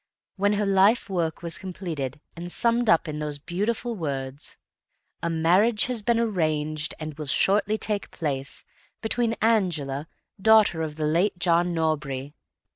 When her life work was completed, and summed up in those beautiful words: "A marriage has been arranged, and will shortly take place, between Angela, daughter of the late John Norbury...."